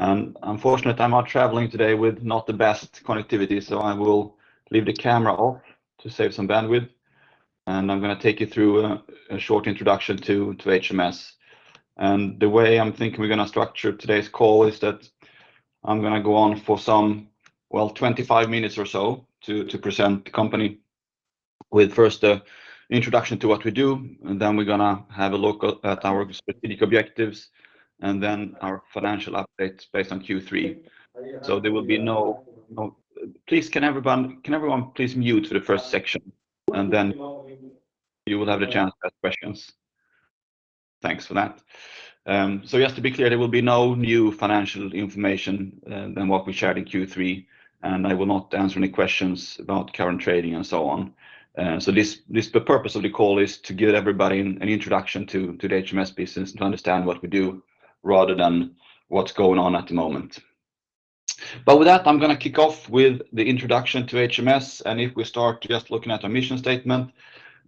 Unfortunately, I'm out traveling today with not the best connectivity, so I will leave the camera off to save some bandwidth, and I'm gonna take you through a short introduction to HMS. The way I'm thinking we're gonna structure today's call is that I'm gonna go on for some, well, 25 minutes or so to present the company, with first an introduction to what we do, and then we're gonna have a look at our specific objectives, and then our financial updates based on Q3. Please, can everyone please mute for the first section, and then you will have the chance to ask questions? Thanks for that. So just to be clear, there will be no new financial information than what we shared in Q3, and I will not answer any questions about current trading and so on. So this, the purpose of the call is to give everybody an introduction to the HMS business to understand what we do rather than what's going on at the moment. But with that, I'm gonna kick off with the introduction to HMS, and if we start just looking at our mission statement,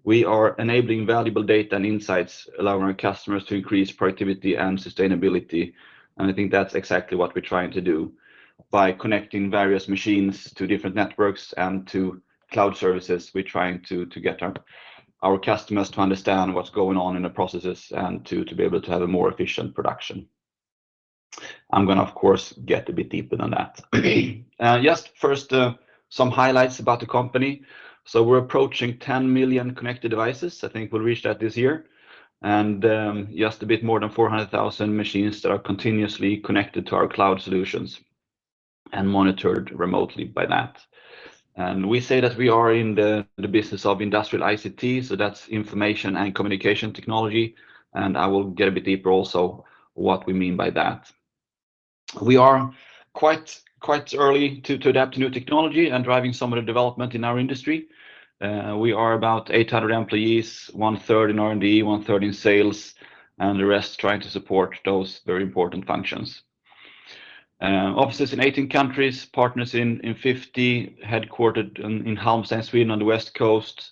we are enabling valuable data and insights, allowing our customers to increase productivity and sustainability. And I think that's exactly what we're trying to do. By connecting various machines to different networks and to cloud services, we're trying to get our customers to understand what's going on in the processes and to be able to have a more efficient production. I'm gonna, of course, get a bit deeper than that. Just first, some highlights about the company. So we're approaching 10 million connected devices. I think we'll reach that this year. And just a bit more than 400,000 machines that are continuously connected to our cloud solutions and monitored remotely by that. And we say that we are in the business of industrial ICT, so that's information and communication technology, and I will get a bit deeper also what we mean by that. We are quite early to adapt to new technology and driving some of the development in our industry. We are about 800 employees, 1/3 in R&D, 1/3 in sales, and the rest trying to support those very important functions. Offices in 18 countries, partners in fifty, headquartered in Halmstad, Sweden, on the west coast.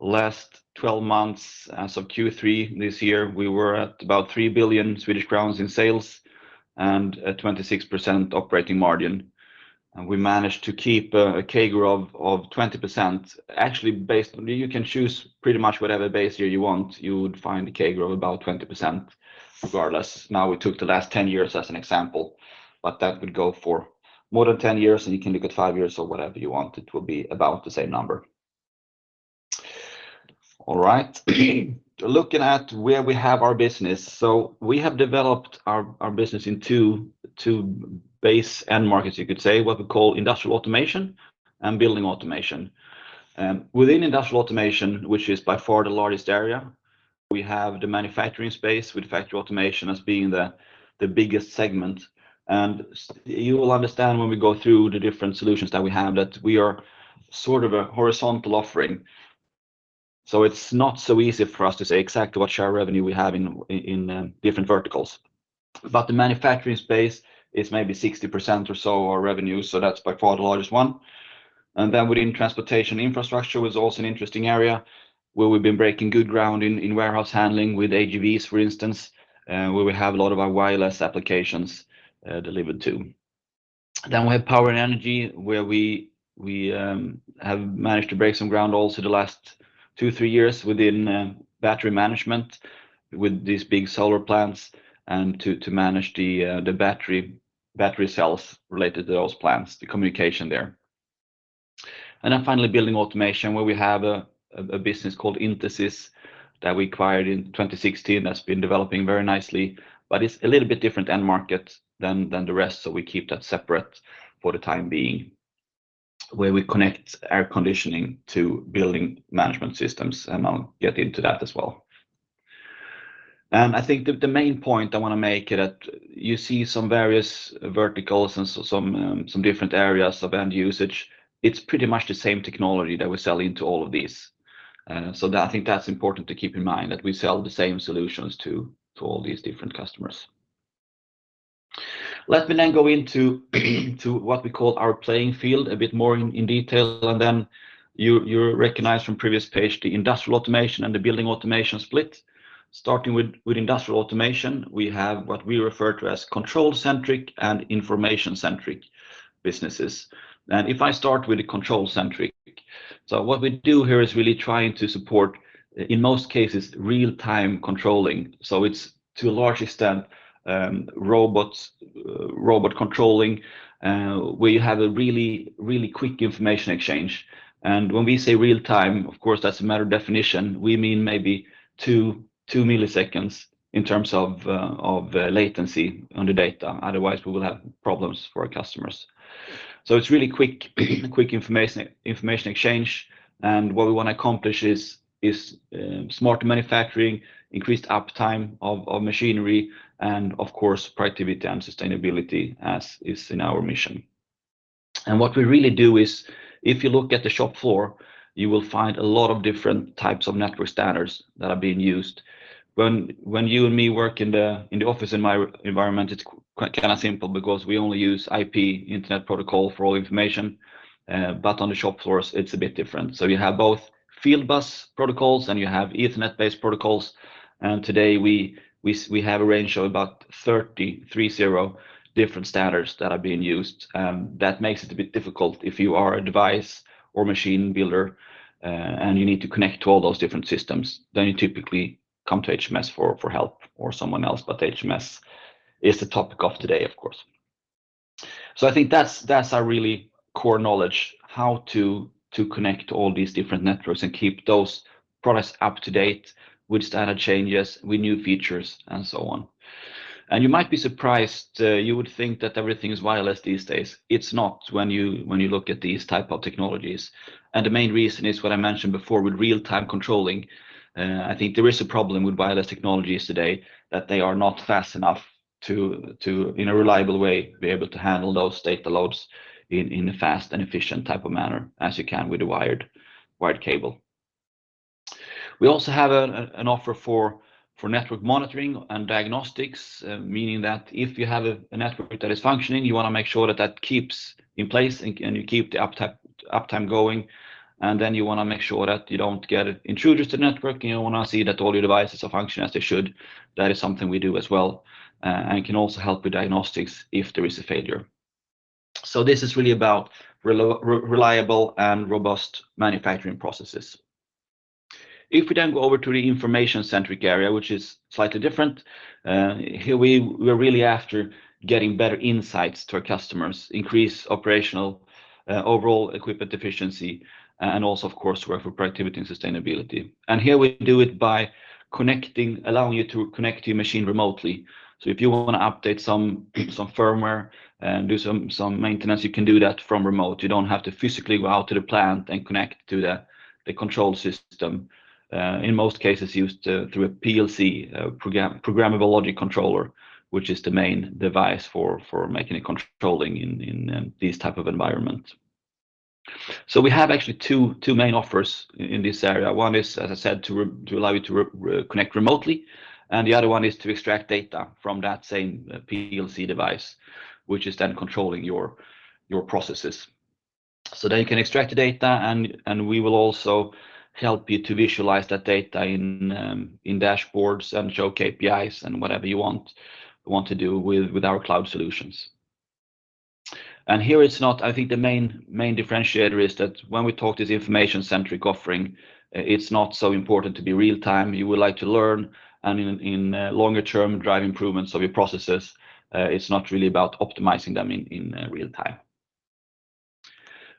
Last 12 months, as of Q3 this year, we were at about 3 billion Swedish crowns in sales and a 26% operating margin, and we managed to keep a CAGR of 20%. Actually, based on, You can choose pretty much whatever base year you want, you would find a CAGR of about 20% regardless. Now, we took the last 10 years as an example, but that would go for more than 10 years, and you can look at five years or whatever you want. It will be about the same number. All right. Looking at where we have our business, so we have developed our business in two base end markets, you could say, what we call industrial automation and building automation. Within industrial automation, which is by far the largest area, we have the manufacturing space, with factory automation as being the biggest segment. You will understand when we go through the different solutions that we have, that we are sort of a horizontal offering. So it's not so easy for us to say exactly what share revenue we have in different verticals. But the manufacturing space is maybe 60% or so of our revenue, so that's by far the largest one. Then within transportation, infrastructure is also an interesting area where we've been breaking good ground in warehouse handling with AGVs, for instance, where we have a lot of our wireless applications delivered to. Then we have power and energy, where we have managed to break some ground also the last two-three years within battery management with these big solar plants and to manage the battery cells related to those plants, the communication there. Then finally, building automation, where we have a business called Intesis that we acquired in 2016, that's been developing very nicely, but it's a little bit different end market than the rest, so we keep that separate for the time being, where we connect air conditioning to building management systems, and I'll get into that as well. I think the main point I wanna make is that you see some various verticals and so some different areas of end usage. It's pretty much the same technology that we sell into all of these. So that, I think that's important to keep in mind, that we sell the same solutions to all these different customers. Let me then go into what we call our playing field a bit more in detail, and then you recognize from previous page, the industrial automation and the building automation split. Starting with industrial automation, we have what we refer to as control-centric and information-centric businesses. And if I start with the control-centric, so what we do here is really trying to support, in most cases, real-time controlling. So it's, to a large extent, robots, robot controlling, where you have a really, really quick information exchange. And when we say real time, of course, that's a matter of definition. We mean maybe 2 milliseconds in terms of latency on the data. Otherwise, we will have problems for our customers. So it's really quick information exchange, and what we want to accomplish is smart manufacturing, increased uptime of machinery, and of course, productivity and sustainability, as is in our mission. And what we really do is, if you look at the shop floor, you will find a lot of different types of network standards that are being used. When you and me work in the office, in my environment, it's quite kind of simple, because we only use IP, Internet Protocol, for all information, but on the shop floor, it's a bit different. So you have both fieldbus protocols, and you have Ethernet-based protocols, and today we have a range of about 30 different standards that are being used. That makes it a bit difficult if you are a device or machine builder, and you need to connect to all those different systems, then you typically come to HMS for help or someone else but HMS is the topic of today, of course. So I think that's our really core knowledge, how to connect all these different networks and keep those products up to date with standard changes, with new features, and so on. You might be surprised. You would think that everything is wireless these days. It's not when you look at these type of technologies, and the main reason is what I mentioned before with real-time controlling. I think there is a problem with wireless technologies today, that they are not fast enough to, in a reliable way, be able to handle those data loads in a fast and efficient type of manner, as you can with a wired cable. We also have an offer for network monitoring and diagnostics, meaning that if you have a network that is functioning, you wanna make sure that that keeps in place and you keep the uptime going, and then you wanna make sure that you don't get intruders to network, and you wanna see that all your devices are functioning as they should. That is something we do as well and can also help with diagnostics if there is a failure. So this is really about reliable and robust manufacturing processes. If we then go over to the information-centric area, which is slightly different, here we are really after getting better insights to our customers, increase operational overall equipment efficiency, and also, of course, work for productivity and sustainability. Here we do it by allowing you to connect your machine remotely. So if you wanna update some firmware and do some maintenance, you can do that from remote. You don't have to physically go out to the plant and connect to the control system, in most cases used through a PLC, a programmable logic controller, which is the main device for making and controlling in these type of environment. So we have actually two main offers in this area. One is, as I said, to allow you to connect remotely, and the other one is to extract data from that same PLC device, which is then controlling your processes. So then you can extract the data, and we will also help you to visualize that data in dashboards and show KPIs and whatever you want to do with our cloud solutions. And here it's not. I think the main differentiator is that when we talk this information-centric offering, it's not so important to be real time. You would like to learn, and in longer term, drive improvements of your processes. It's not really about optimizing them in real time.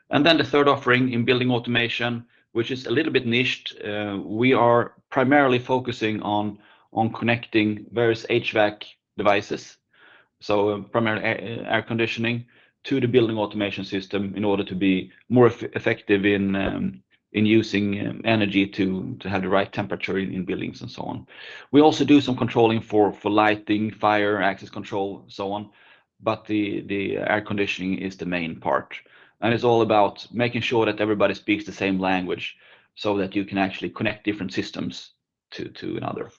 And then the third offering in building automation, which is a little bit niched, we are primarily focusing on connecting various HVAC devices, so primarily air conditioning, to the building automation system in order to be more effective in using energy to have the right temperature in buildings and so on. We also do some controlling for lighting, fire, access control, so on, but the air conditioning is the main part. And it's all about making sure that everybody speaks the same language, so that you can actually connect different systems to another.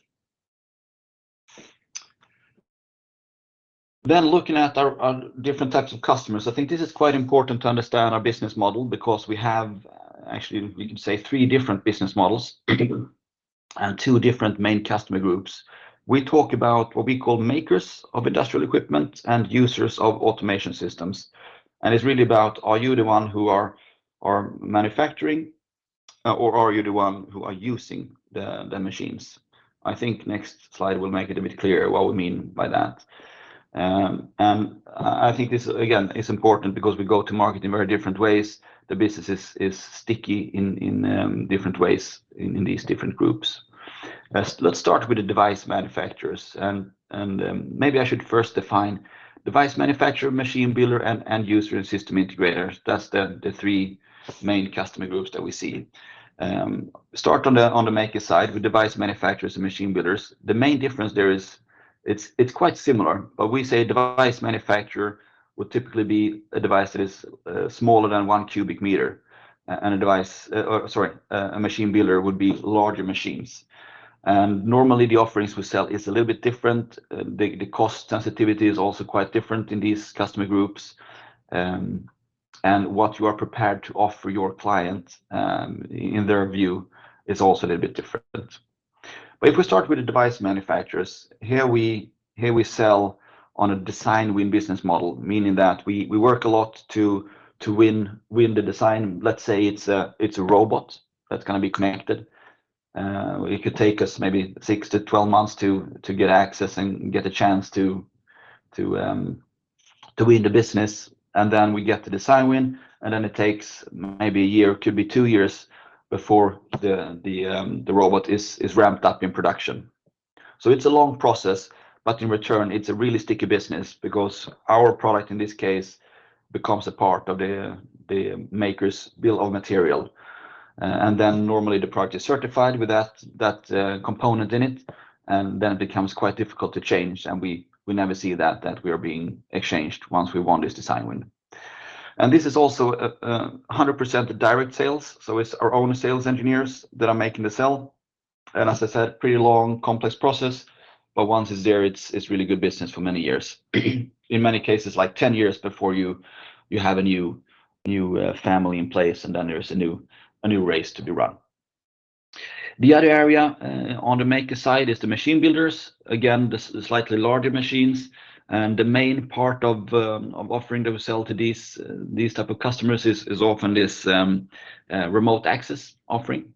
Then looking at our different types of customers, I think this is quite important to understand our business model, because we have actually, we can say three different business models and two different main customer groups. We talk about what we call makers of industrial equipment and users of automation systems, and it's really about, are you the one who are manufacturing or are you the one who are using the machines? I think next slide will make it a bit clearer what we mean by that. And I think this, again, is important because we go to market in very different ways. The business is sticky in different ways in these different groups. Let's start with the device manufacturers, and maybe I should first define device manufacturer, machine builder, and end user, and system integrators. That's the three main customer groups that we see. Start on the maker side with device manufacturers and machine builders. The main difference there is it's quite similar, but we say device manufacturer would typically be a device that is smaller than one cubic meter, and a machine builder would be larger machines. And normally the offerings we sell is a little bit different. The cost sensitivity is also quite different in these customer groups. What you are prepared to offer your client, in their view, is also a little bit different. If we start with the device manufacturers, we sell on a design win business model, meaning that we work a lot to win the design. Let's say it's a robot that's gonna be connected. It could take us maybe 6-12 months to get access and get a chance to win the business, and then we get the design win, and then it takes maybe a year, could be two years, before the robot is ramped up in production. So it's a long process, but in return, it's a really sticky business because our product, in this case, becomes a part of the maker's bill of material. And then normally the product is certified with that, that, component in it, and then it becomes quite difficult to change, and we, we never see that, that we are being exchanged once we won this design win. And this is also a, 100% direct sales, so it's our own sales engineers that are making the sale. And as I said, pretty long, complex process, but once it's there, it's, it's really good business for many years. In many cases, like 10 years before you, you have a new, new, family in place, and then there's a new, a new race to be run. The other area, on the maker side, is the machine builders. Again, the slightly larger machines, and the main part of offering that we sell to these type of customers is often this remote access offering.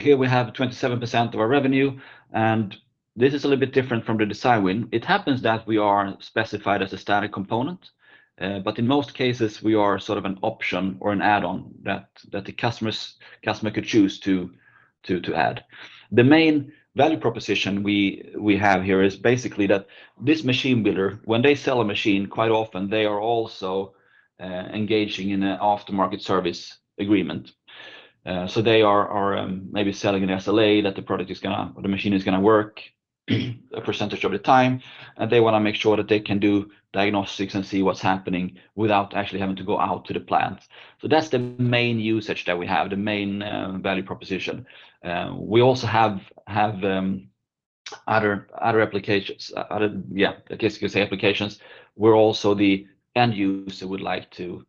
Here we have 27% of our revenue and this is a little bit different from the Deciwin. It happens that we are specified as a static component, but in most cases, we are sort of an option or an add-on that the customers, customer could choose to add. The main value proposition we have here is basically that this machine builder, when they sell a machine, quite often they are also engaging in an aftermarket service agreement. So they are maybe selling an SLA, that the product is gonna or the machine is gonna work a percentage of the time, and they wanna make sure that they can do diagnostics and see what's happening without actually having to go out to the plant. So that's the main usage that we have, the main value proposition. We also have other applications. Other, Yeah, I guess you could say applications, where also the end user would like to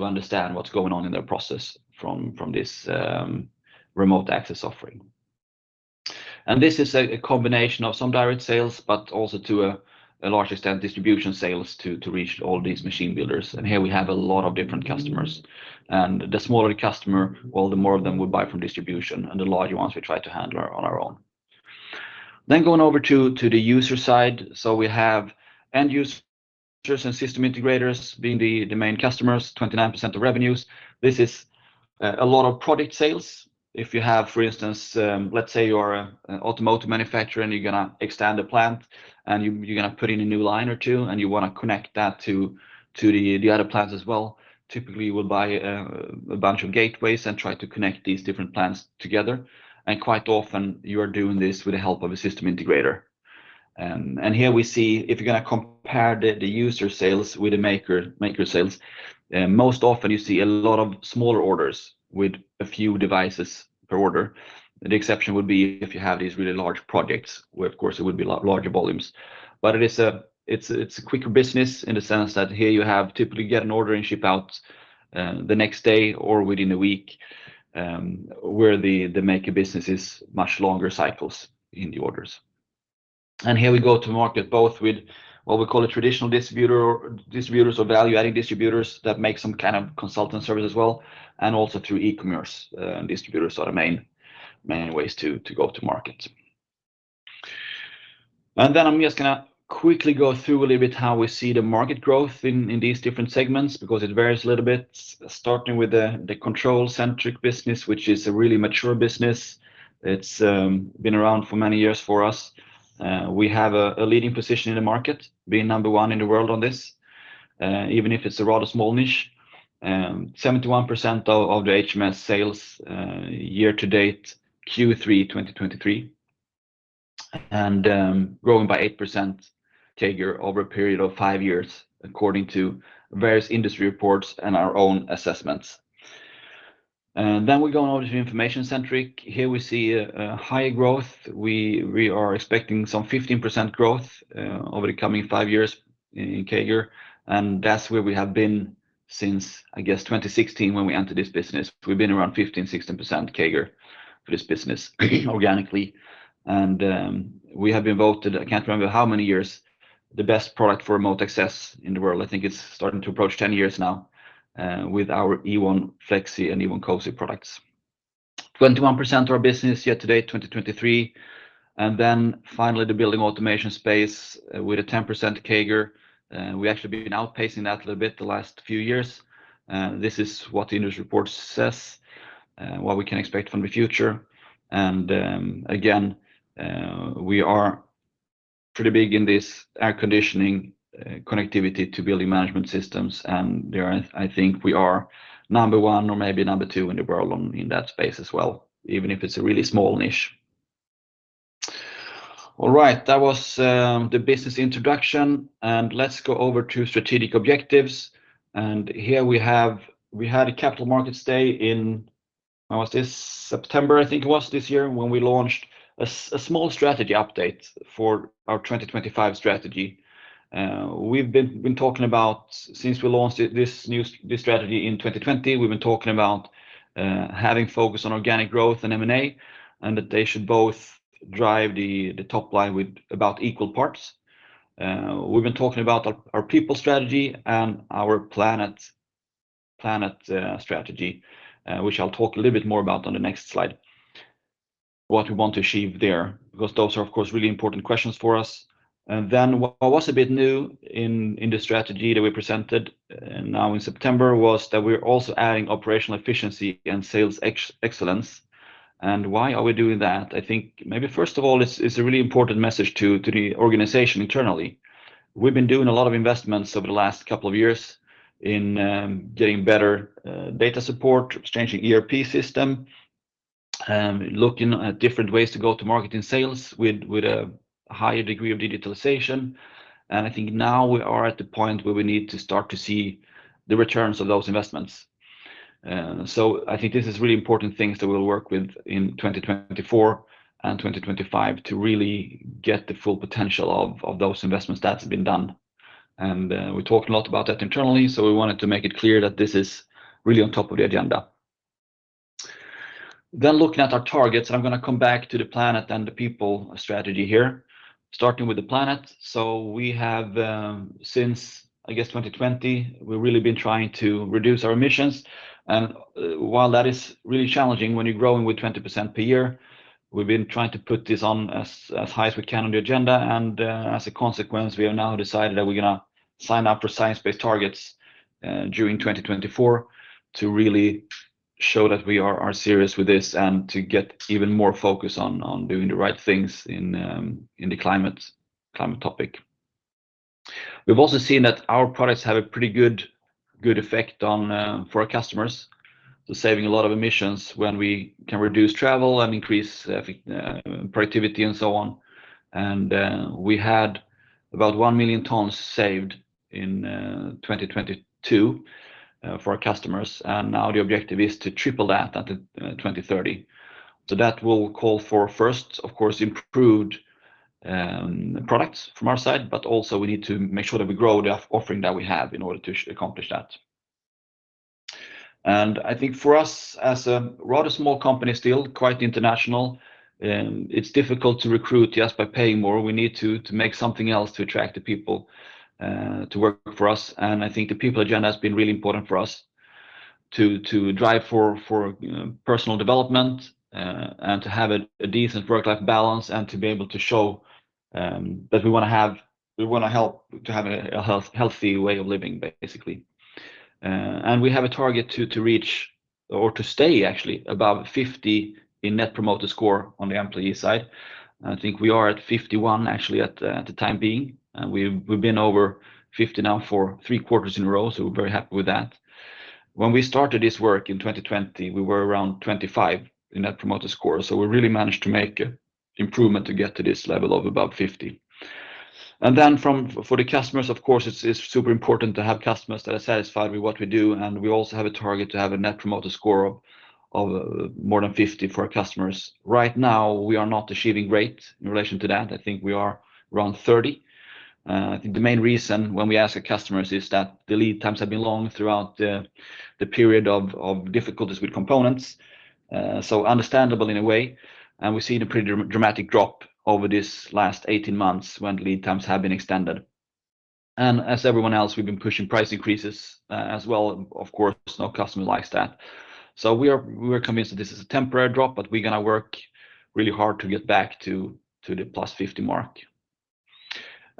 understand what's going on in their process from this remote access offering. And this is a combination of some direct sales, but also to a large extent, distribution sales to reach all these machine builders. Here we have a lot of different customers, and the smaller the customer, well, the more of them will buy from distribution, and the larger ones we try to handle on our own. Going over to the user side. We have end users and system integrators being the main customers, 29% of revenues. This is a lot of product sales. If you have, for instance, let's say you're an automotive manufacturer, and you're gonna extend a plant, and you're gonna put in a new line or two, and you wanna connect that to the other plants as well. Typically, you will buy a bunch of gateways and try to connect these different plants together, and quite often you are doing this with the help of a system integrator. And here we see if you're gonna compare the user sales with the maker sales, most often you see a lot of smaller orders with a few devices per order. The exception would be if you have these really large projects, where, of course, it would be lot larger volumes. But it is a quicker business in the sense that here you have typically get an order and ship out the next day or within a week, where the maker business is much longer cycles in the orders. And here we go to market both with what we call a traditional distributors or value-adding distributors that make some kind of consultant service as well, and also through e-commerce, distributors are the main ways to go to market. Then I'm just gonna quickly go through a little bit how we see the market growth in these different segments, because it varies a little bit, starting with the control-centric business, which is a really mature business. It's been around for many years for us. We have a leading position in the market, being number 1 in the world on this, even if it's a rather small niche. 71% of the HMS sales year to date, Q3 2023, and growing by 8% CAGR over a period of five years, according to various industry reports and our own assessments. And then we're going over to information-centric. Here we see a high growth. We are expecting some 15% growth over the coming five years in CAGR, and that's where we have been since, I guess, 2016, when we entered this business. We've been around 15%, 16% CAGR for this business organically, and we have been voted, I can't remember how many years, the best product for remote access in the world. I think it's starting to approach 10 years now with our Ewon Flexy and Ewon Cosy products. 21% of our business year to date, 2023, and then finally the building automation space with a 10% CAGR. We've actually been outpacing that a little bit the last few years, and this is what the industry report says, what we can expect from the future. Again, we are pretty big in this air conditioning connectivity to building management systems, and there are. I think we are number one or maybe number two in the world in that space as well, even if it's a really small niche. All right, that was the business introduction, and let's go over to strategic objectives. Here we have. We had a Capital Markets Day in. When was this? September, I think it was, this year, when we launched a small strategy update for our 2025 strategy. We've been talking about, since we launched this new strategy in 2020, we've been talking about having focus on organic growth and M&A, and that they should both drive the top line with about equal parts. We've been talking about our people strategy and our planet strategy, which I'll talk a little bit more about on the next slide, what we want to achieve there, because those are, of course, really important questions for us. Then what was a bit new in the strategy that we presented now in September was that we're also adding operational efficiency and sales excellence. And why are we doing that? I think maybe, first of all, it's a really important message to the organization internally. We've been doing a lot of investments over the last couple of years in getting better data support, changing ERP system, looking at different ways to go to market in sales with a higher degree of digitalization. I think now we are at the point where we need to start to see the returns of those investments. So I think this is really important things that we'll work with in 2024 and 2025 to really get the full potential of those investments that's been done. We talked a lot about that internally, so we wanted to make it clear that this is really on top of the agenda. Looking at our targets, I'm gonna come back to the planet and the people strategy here, starting with the planet. We have, since I guess 2020, we've really been trying to reduce our emissions. And while that is really challenging, when you're growing with 20% per year, we've been trying to put this on as high as we can on the agenda. As a consequence, we have now decided that we're gonna sign up for science-based targets during 2024, to really show that we are serious with this and to get even more focus on doing the right things in the climate topic. We've also seen that our products have a pretty good effect on, for our customers. So saving a lot of emissions when we can reduce travel and increase productivity and so on. And we had about 1 million tons saved in 2022 for our customers, and now the objective is to triple that at the 2030. So that will call for first, of course, improved products from our side, but also we need to make sure that we grow the offering that we have in order to accomplish that. I think for us, as a rather small company, still quite international, it's difficult to recruit just by paying more. We need to make something else to attract the people to work for us. I think the people agenda has been really important for us to drive for personal development and to have a decent work-life balance, and to be able to show that we wanna have, we wanna help to have a healthy way of living, basically. And we have a target to reach or to stay actually, above 50 in Net Promoter Score on the employee side. I think we are at 51, actually, at the time being, and we've been over 50 now for three quarters in a row, so we're very happy with that. When we started this work in 2020, we were around 25 in Net Promoter Score, so we really managed to make improvement to get to this level of above 50. And then from, for the customers, of course, it's, it's super important to have customers that are satisfied with what we do, and we also have a target to have a Net Promoter Score of, more than 50 for our customers. Right now, we are not achieving great in relation to that. I think we are around 30. I think the main reason when we ask our customers is that the lead times have been long throughout the period of difficulties with components. So understandable in a way, and we've seen a pretty dramatic drop over this last 18 months when lead times have been extended. As everyone else, we've been pushing price increases as well. Of course, no customer likes that. So we are, we are convinced that this is a temporary drop, but we're gonna work really hard to get back to the +50 mark.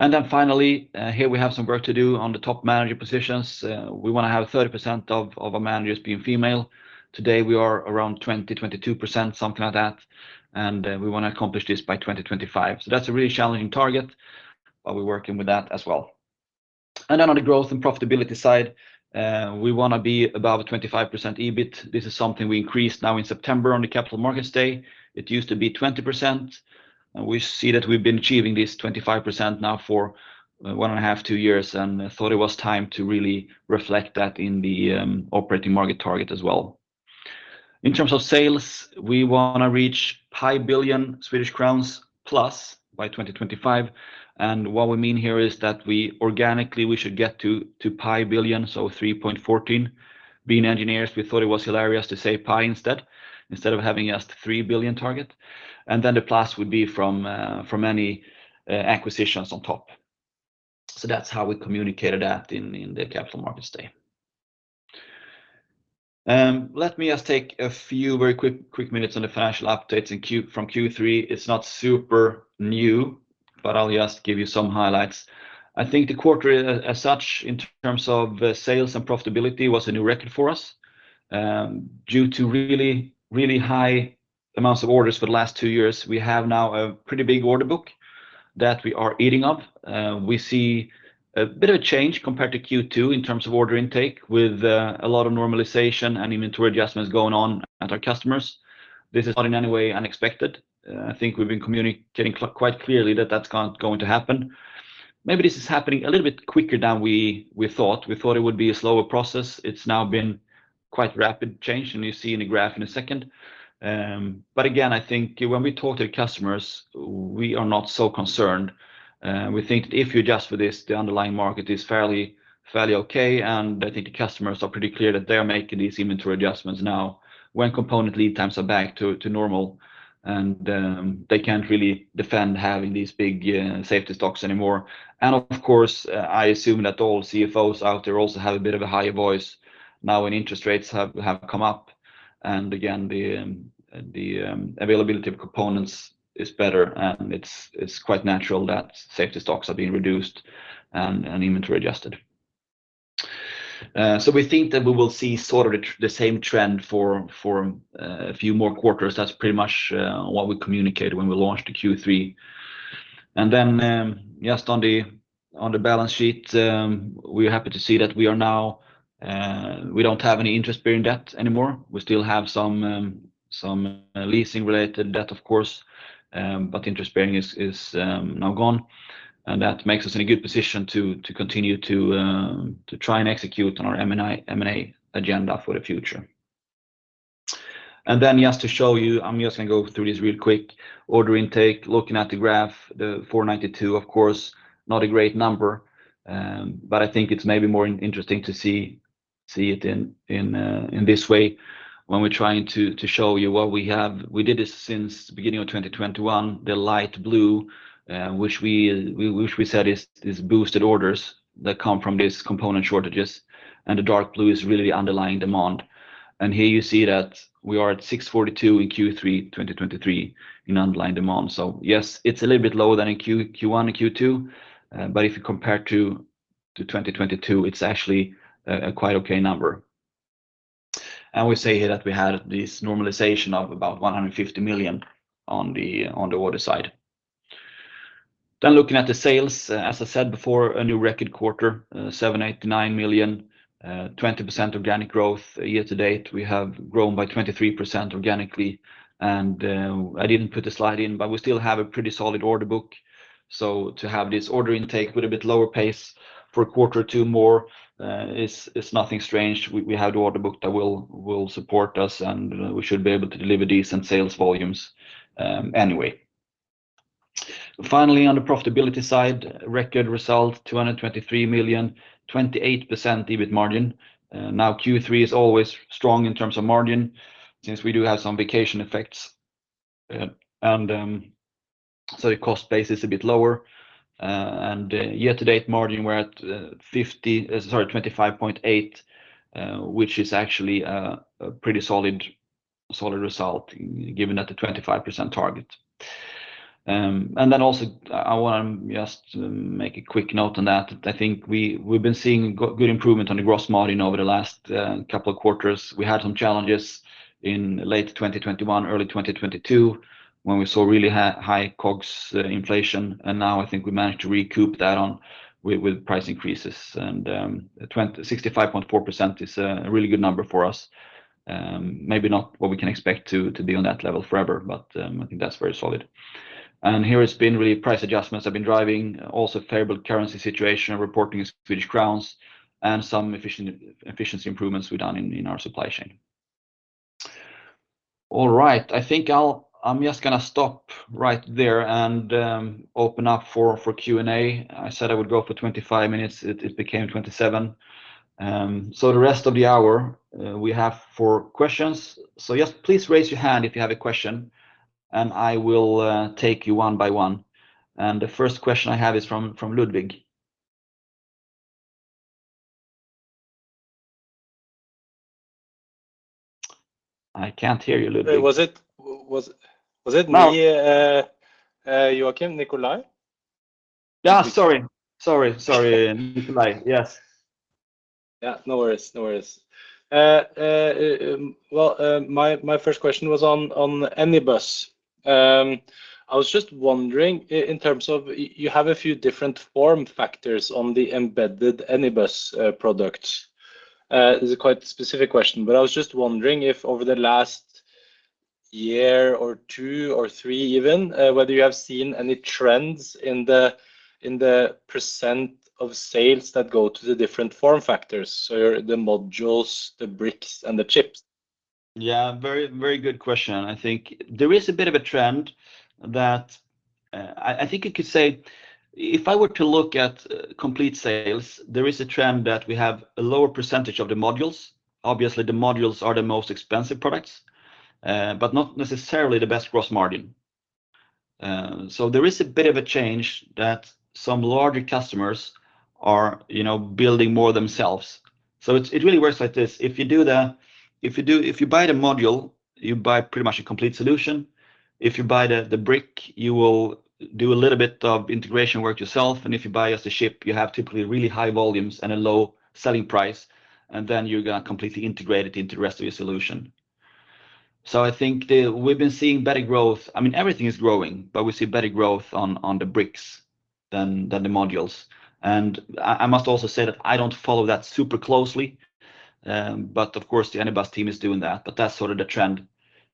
Then finally, here we have some work to do on the top manager positions. We wanna have 30% of our managers being female. Today, we are around 20%-22%, something like that, and we wanna accomplish this by 2025. So that's a really challenging target, but we're working with that as well. And then on the growth and profitability side, we wanna be above 25% EBIT. This is something we increased now in September on the Capital Markets Day. It used to be 20%, and we see that we've been achieving this 25% now for 1.5 years-2 years, and I thought it was time to really reflect that in the operating margin target as well. In terms of sales, we wanna reach pi billion SEK plus by 2025. And what we mean here is that we organically, we should get to pi billion, so 3.14. Being engineers, we thought it was hilarious to say pi instead of having just 3 billion target. And then the plus would be from any acquisitions on top. So that's how we communicated that in the Capital Markets Day. Let me just take a few very quick minutes on the financial updates from Q3. It's not super new, but I'll just give you some highlights. I think the quarter as such, in terms of sales and profitability, was a new record for us. Due to really, really high amounts of orders for the last two years, we have now a pretty big order book that we are eating up. We see a bit of a change compared to Q2 in terms of order intake, with a lot of normalization and inventory adjustments going on at our customers. This is not in any way unexpected. I think we've been communicating quite clearly that that's going to happen. Maybe this is happening a little bit quicker than we thought. We thought it would be a slower process. It's now been quite rapid change, and you see in the graph in a second. But again, I think when we talk to the customers, we are not so concerned. We think that if you adjust for this, the underlying market is fairly, fairly okay, and I think the customers are pretty clear that they are making these inventory adjustments now when component lead times are back to, to normal and, they can't really defend having these big, safety stocks anymore. And of course, I assume that all CFOs out there also have a bit of a higher voice now, and interest rates have, have come up. And again, the, the, availability of components is better, and it's, it's quite natural that safety stocks are being reduced and, and inventory adjusted. So we think that we will see sort of the, the same trend for, a few more quarters. That's pretty much what we communicated when we launched the Q3. And then just on the balance sheet, we are happy to see that we now don't have any interest-bearing debt anymore. We still have some leasing-related debt, of course, but interest-bearing is now gone, and that makes us in a good position to continue to try and execute on our M&A agenda for the future. And then just to show you, I'm just gonna go through this real quick. Order intake, looking at the graph, the 492, of course, not a great number, but I think it's maybe more interesting to see it in this way when we're trying to show you what we have. We did this since beginning of 2021, the light blue, which we said is boosted orders that come from these component shortages, and the dark blue is really the underlying demand. And here you see that we are at 642 in Q3 2023 in underlying demand. So yes, it's a little bit lower than in Q1 and Q2, but if you compare to 2022, it's actually a quite okay number. And we say here that we had this normalization of about 150 million on the order side. Then looking at the sales, as I said before, a new record quarter, 789 million, 20% organic growth. Year to date, we have grown by 23% organically, and I didn't put the slide in, but we still have a pretty solid order book. So to have this order intake with a bit lower pace for a quarter or two more is nothing strange. We have the order book that will support us, and we should be able to deliver decent sales volumes anyway. Finally, on the profitability side, record result 223 million, 28% EBIT margin. Now Q3 is always strong in terms of margin since we do have some vacation effects, and so the cost base is a bit lower. And year to date margin, we're at 25.8%, which is actually a pretty solid result given that the 25% target. And then also I want to just make a quick note on that. I think we've been seeing good improvement on the gross margin over the last couple of quarters. We had some challenges in late 2021, early 2022, when we saw really high COGS inflation, and now I think we managed to recoup that with price increases. And 65.4% is a really good number for us. Maybe not what we can expect to be on that level forever, but I think that's very solid. And here it's been really price adjustments have been driving, also favorable currency situation and reporting in Swedish kronor and some efficiency improvements we've done in our supply chain. All right. I think I'll I'm just going to stop right there and open up for Q&A. I said I would go for 25 minutes. It became 27. So the rest of the hour we have for questions. So yes, please raise your hand if you have a question, and I will take you one by one. And the first question I have is from Ludwig. I can't hear you, Ludwig. Was it me, Joakim? Nikolai. Yeah, sorry. Sorry, sorry, Nikolai. Yes. Yeah, no worries, no worries. Well, my first question was on Anybus. I was just wondering if in terms of you have a few different form factors on the embedded Anybus products. This is a quite specific question, but I was just wondering if over the last year or two or three even, whether you have seen any trends in the percent of sales that go to the different form factors, so the modules, the bricks, and the chips? Yeah, very, very good question, I think. There is a bit of a trend that, I think you could say if I were to look at complete sales, there is a trend that we have a lower percentage of the modules. Obviously, the modules are the most expensive products, but not necessarily the best gross margin. So there is a bit of a change that some larger customers are, you know, building more themselves. So it really works like this: if you buy the module, you buy pretty much a complete solution. If you buy the brick, you will do a little bit of integration work yourself. If you buy just the chip, you have typically really high volumes and a low selling price, and then you're going to completely integrate it into the rest of your solution. I think we've been seeing better growth. I mean, everything is growing, but we see better growth on the bricks than the modules. And I must also say that I don't follow that super closely. But of course, the Anybus team is doing that, but that's sort of the trend,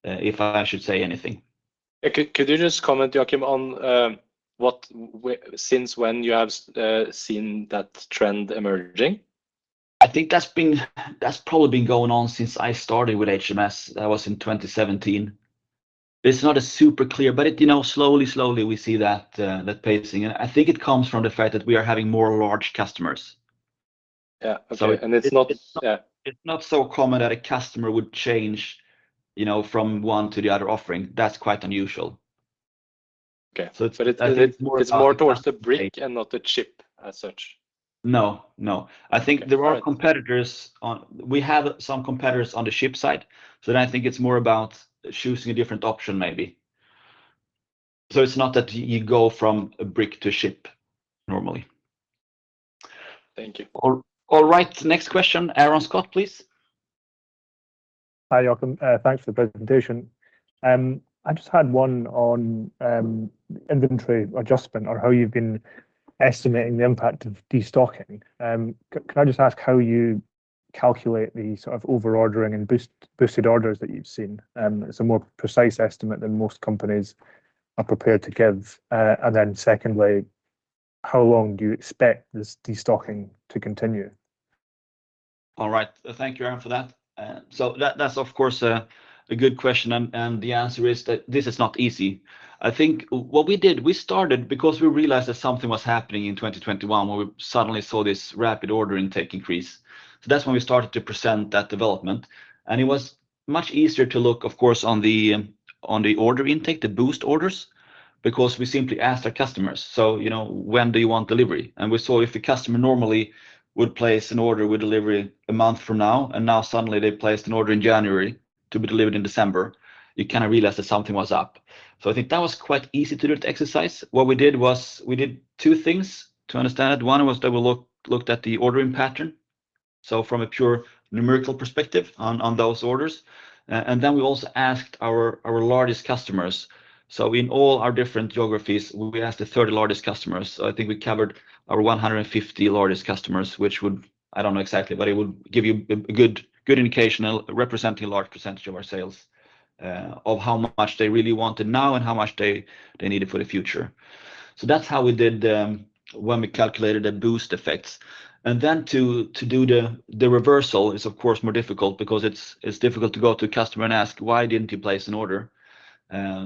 if I should say anything. Could you just comment, Joakim, on what, since when you have seen that trend emerging? I think that's been, that's probably been going on since I started with HMS. That was in 2017. It's not super clear, but it, you know, slowly, slowly, we see that that pacing. And I think it comes from the fact that we are having more large customers. Yeah. Okay. And it's not. Yeah. It's not so common that a customer would change, you know, from one to the other offering. That's quite unusual. Okay. So it's- But it's more towards the brick and not the chip as such? No, no. Okay. I think there are competitors on, we have some competitors on the chip side, so then I think it's more about choosing a different option maybe. So it's not that you go from a brick to chip normally. Thank you. All right, next question. Aaron Scott, please. Hi, Joakim. Thanks for the presentation. I just had one on inventory adjustment or how you've been estimating the impact of destocking. Can I just ask how you calculate the sort of over-ordering and boosted orders that you've seen? It's a more precise estimate than most companies are prepared to give. And then secondly, how long do you expect this destocking to continue? All right. Thank you, Aaron, for that. So that's, of course, a good question, and the answer is that this is not easy. I think what we did, we started because we realized that something was happening in 2021, where we suddenly saw this rapid order intake increase. So that's when we started to present that development, and it was much easier to look, of course, on the order intake, the boost orders because we simply asked our customers, "So, you know, when do you want delivery?" And we saw if the customer normally would place an order with delivery a month from now, and now suddenly they placed an order in January to be delivered in December, you kind of realized that something was up. So I think that was quite easy to do to exercise. What we did was we did two things to understand. One was that we looked at the ordering pattern, so from a pure numerical perspective on those orders. And then we also asked our largest customers. So in all our different geographies, we asked the 30 largest customers. So I think we covered our 150 largest customers, which would, I don't know exactly, but it would give you a good indication of representing a large percentage of our sales, of how much they really wanted now and how much they needed for the future. So that's how we did it when we calculated the boost effects. And then to do the reversal is of course more difficult because it's difficult to go to a customer and ask, "Why didn't you place an order?"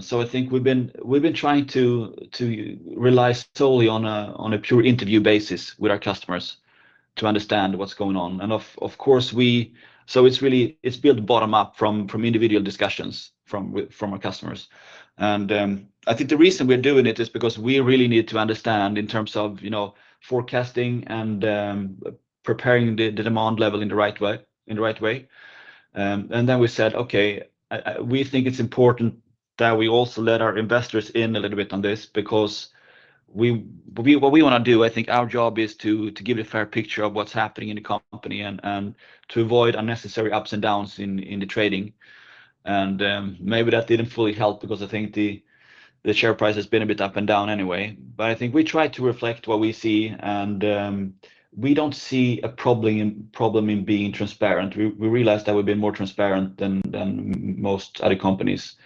So I think we've been trying to rely solely on a pure interview basis with our customers to understand what's going on. And of course, so it's really built bottom up from individual discussions with our customers. And I think the reason we're doing it is because we really need to understand in terms of, you know, forecasting and preparing the demand level in the right way, in the right way. And then we said, "Okay, we think it's important that we also let our investors in a little bit on this," because we what we wanna do, I think our job is to give a fair picture of what's happening in the company and to avoid unnecessary ups and downs in the trading. Maybe that didn't fully help because I think the share price has been a bit up and down anyway. But I think we try to reflect what we see, and we don't see a problem in being transparent. We realized that we've been more transparent than most other companies,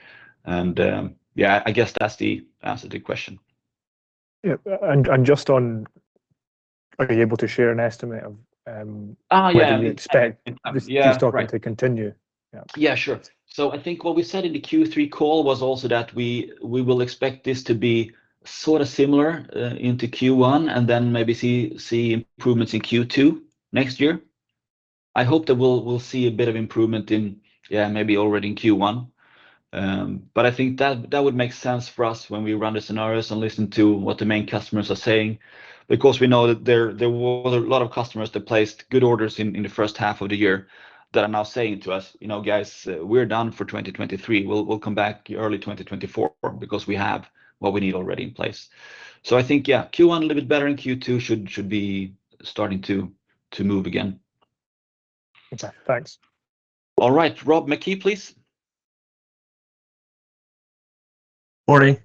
and yeah, I guess that's the answer to your question. Yeah. And just on. Are you able to share an estimate of? Uh, yeah... whether you expect this trend to continue? Yeah. Yeah, sure. So I think what we said in the Q3 call was also that we, we will expect this to be sort of similar into Q1, and then maybe see, see improvements in Q2 next year. I hope that we'll, we'll see a bit of improvement in, yeah, maybe already in Q1. But I think that, that would make sense for us when we run the scenarios and listen to what the main customers are saying. Because we know that there, there were a lot of customers that placed good orders in, in the first half of the year that are now saying to us, "You know, guys, we're done for 2023. We'll, we'll come back early 2024 because we have what we need already in place." So I think, yeah, Q1 a little bit better, and Q2 should, should be starting to, to move again. Okay. Thanks. All right. Rob McKee, please. Morning.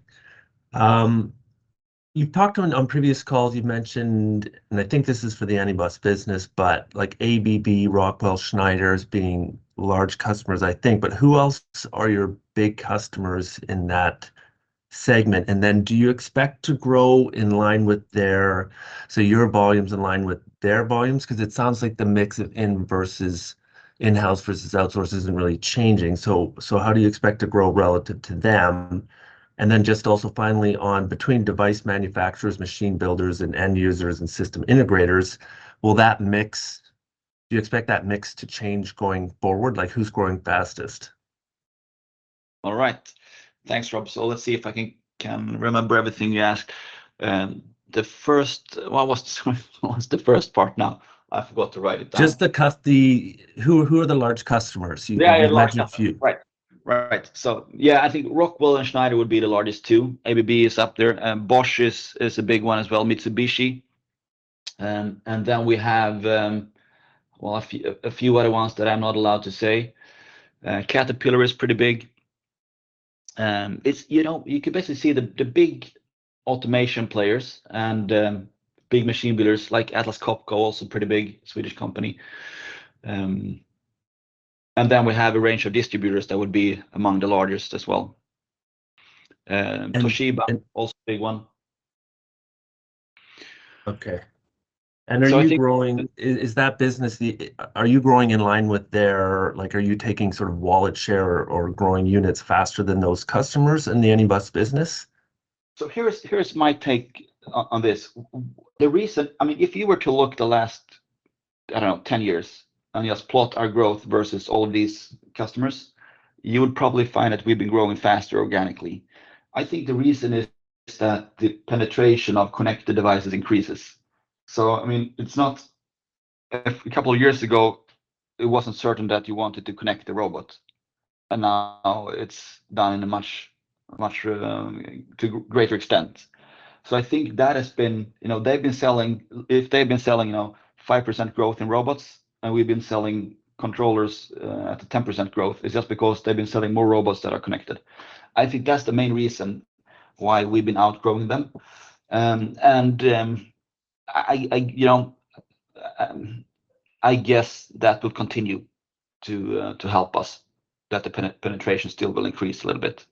You've talked on previous calls. You've mentioned, and I think this is for the Anybus business, but like, ABB, Rockwell, Schneider as being large customers, I think. But who else are your big customers in that segment? And then do you expect to grow in line with their. So your volumes in line with their volumes? Because it sounds like the mix of in- versus in-house versus outsource isn't really changing. So how do you expect to grow relative to them? And then just also finally on between device manufacturers, machine builders, and end users, and system integrators, will that mix, do you expect that mix to change going forward? Like, who's growing fastest? All right. Thanks, Rob. So let's see if I can remember everything you asked. The first, What was the first part now? I forgot to write it down. Who, who are the large customers? Yeah, yeah. You mentioned a few. Right. Right. So yeah, I think Rockwell and Schneider would be the largest two. ABB is up there, and Bosch is a big one as well, Mitsubishi. And then we have well, a few other ones that I'm not allowed to say. Caterpillar is pretty big. It's, you know, you can basically see the big automation players and big machine builders like Atlas Copco, also pretty big Swedish company. And then we have a range of distributors that would be among the largest as well. Toshiba also a big one. Okay. Are you growing, are you growing in line with their, like, are you taking sort of wallet share or growing units faster than those customers in the Anybus business? So here's my take on this. The reason I mean, if you were to look at the last, I don't know, 10 years, and just plot our growth versus all of these customers, you would probably find that we've been growing faster organically. I think the reason is that the penetration of connected devices increases. So I mean, it's not, A couple of years ago, it wasn't certain that you wanted to connect the robot, and now it's done in a much, much, to greater extent. So I think that has been, you know, they've been selling, if they've been selling, you know, 5% growth in robots, and we've been selling controllers at a 10% growth, it's just because they've been selling more robots that are connected. I think that's the main reason why we've been outgrowing them. And, you know, I guess that will continue to help us, that the penetration still will increase a little bit.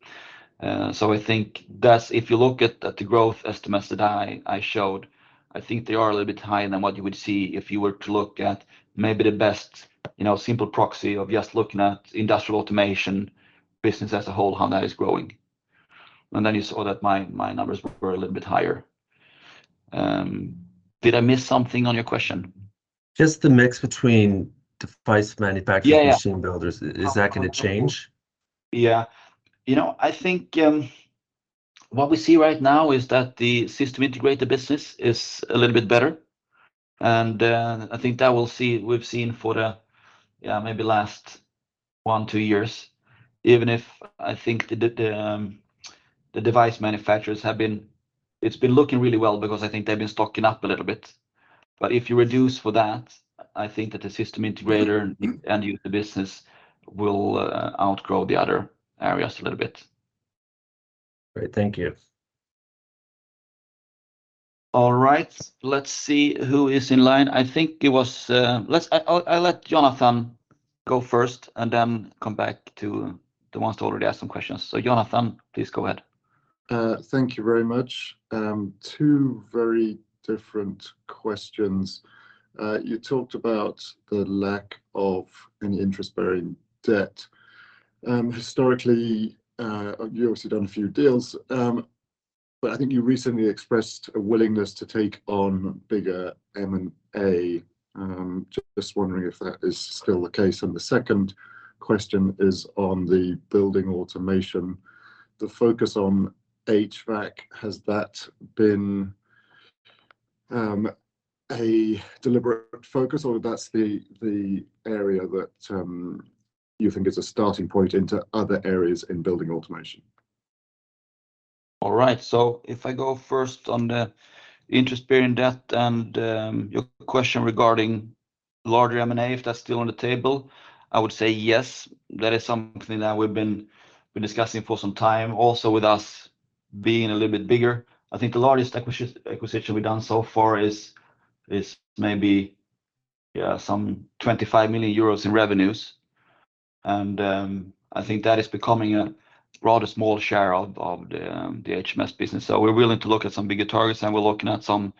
So I think that's, If you look at the growth estimates that I showed, I think they are a little bit higher than what you would see if you were to look at maybe the best, you know, simple proxy of just looking at industrial automation business as a whole, how that is growing and then you saw that my numbers were a little bit higher. Did I miss something on your question? Just the mix between device manufacturer- Yeah. And machine builders, is that gonna change? Yeah. You know, I think what we see right now is that the system integrator business is a little bit better, and I think that we'll see—we've seen for the, yeah, maybe last one, two years, even if I think the device manufacturers have been. It's been looking really well because I think they've been stocking up a little bit. But if you reduce for that, I think that the system integrator and user business will outgrow the other areas a little bit. Great. Thank you. All right. Let's see who is in line. I think it was. I'll let Jonathan go first, and then come back to the ones who already asked some questions. So, Jonathan, please go ahead. Thank you very much. Two very different questions. You talked about the lack of any interest-bearing debt. Historically, you've obviously done a few deals, but I think you recently expressed a willingness to take on bigger M&A. Just wondering if that is still the case? And the second question is on the building automation, the focus on HVAC, has that been a deliberate focus, or that's the area that you think is a starting point into other areas in building automation? All right, so if I go first on the interest-bearing debt and your question regarding larger M&A, if that's still on the table, I would say yes, that is something that we've been discussing for some time. Also, with us being a little bit bigger, I think the largest acquisition we've done so far is maybe, yeah, some 25 million euros in revenues, and I think that is becoming a rather small share of the HMS business. So we're willing to look at some bigger targets, and we're looking at some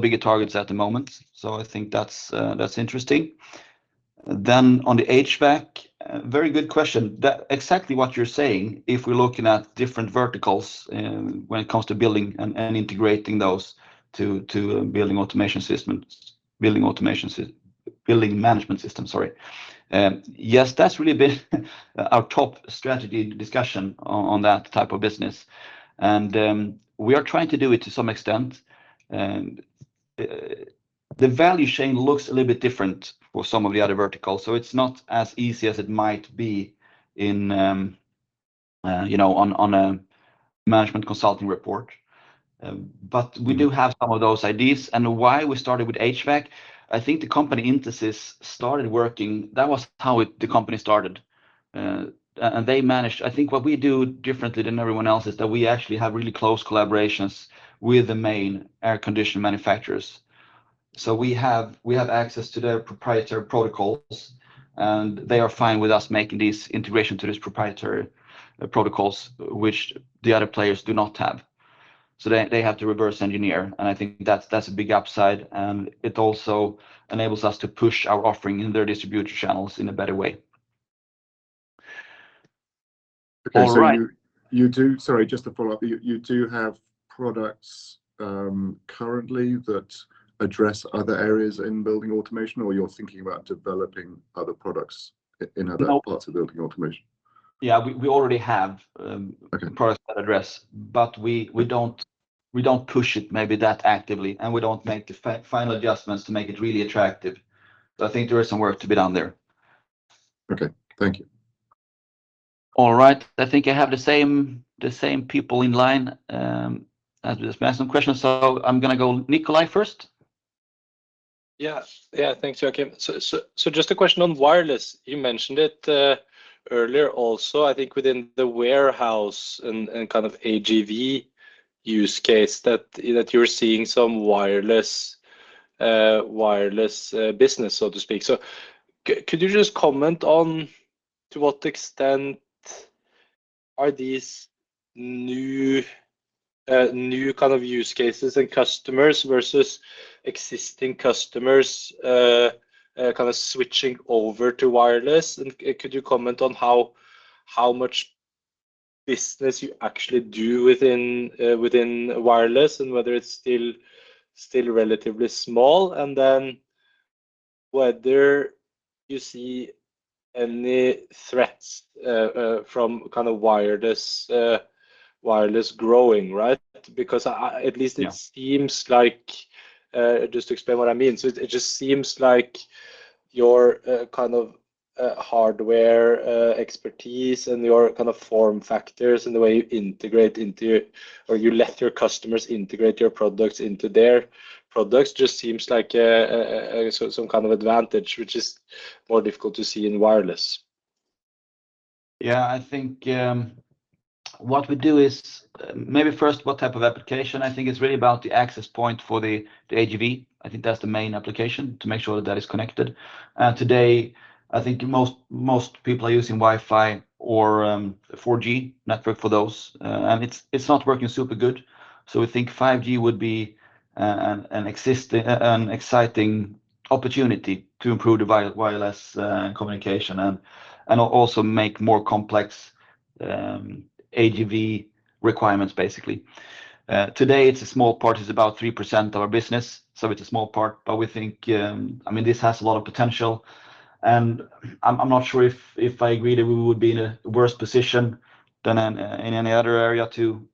bigger targets at the moment, so I think that's interesting. Then on the HVAC, very good question. That's exactly what you're saying, if we're looking at different verticals, when it comes to building and integrating those to building automation systems, building management systems, sorry. Yes, that's really been our top strategy discussion on that type of business, and we are trying to do it to some extent, and the value chain looks a little bit different for some of the other verticals, so it's not as easy as it might be in, you know, on a management consulting report. But we do have some of those ideas. Why we started with HVAC, I think the company Intesis started working. That was how it, the company started, and they managed. I think what we do differently than everyone else is that we actually have really close collaborations with the main air conditioner manufacturers. So we have access to their proprietary protocols, and they are fine with us making these integration to these proprietary protocols, which the other players do not have, so they have to reverse engineer, and I think that's a big upside, and it also enables us to push our offering in their distributor channels in a better way. All right- So you do, sorry, just to follow up. You do have products currently that address other areas in building automation, or you're thinking about developing other products in other parts of building automation? Yeah, we already have, Okay Products that address, but we don't push it maybe that actively, and we don't make the final adjustments to make it really attractive. So I think there is some work to be done there. Okay. Thank you. All right. I think I have the same, the same people in line, that have just asked some questions, so I'm gonna go Nikolai first. Yeah. Yeah, thanks, Joakim. So just a question on wireless. You mentioned it earlier also, I think within the warehouse and kind of AGV use case that you're seeing some wireless wireless business, so to speak. So could you just comment on to what extent are these new new kind of use cases and customers versus existing customers kind of switching over to wireless? And could you comment on how much business you actually do within wireless and whether it's still relatively small? And then whether you see any threats from kind of wireless wireless growing, right? Because at least- Yeah It seems like, just to explain what I mean, so it just seems like your kind of hardware expertise and your kind of form factors and the way you integrate into or you let your customers integrate your products into their products just seems like some kind of advantage, which is more difficult to see in wireless. Yeah, I think what we do is, maybe first, what type of application? I think it's really about the access point for the AGV. I think that's the main application, to make sure that is connected. Today, I think most people are using Wi-Fi or 4G network for those. And it's not working super good, so we think 5G would be an exciting opportunity to improve the wireless communication and also make more complex AGV requirements, basically. Today it's a small part. It's about 3% of our business, so it's a small part, but we think, I mean, this has a lot of potential, and I'm not sure if I agree that we would be in a worse position than in any other area to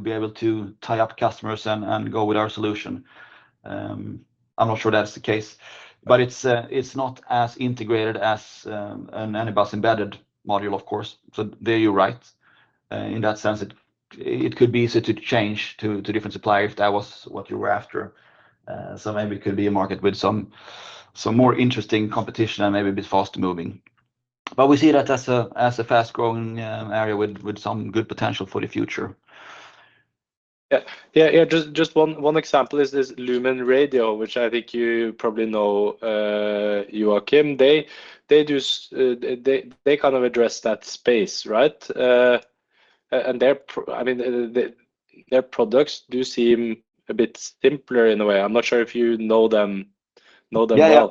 be able to tie up customers and go with our solution. I'm not sure that's the case, but it's not as integrated as an Anybus Embedded module, of course. So there you're right. In that sense, it could be easier to change to a different supplier if that was what you were after. So maybe it could be a market with some more interesting competition and maybe a bit faster moving. But we see that as a fast-growing area with some good potential for the future. Yeah. Yeah, just one example is this Lumen Radio, which I think you probably know, Joakim. They kind of address that space, right? And I mean, their products do seem a bit simpler in a way. I'm not sure if you know them well. Yeah,